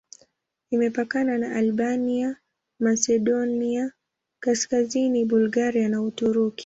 Imepakana na Albania, Masedonia Kaskazini, Bulgaria na Uturuki.